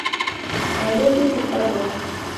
Әле бик иртә була.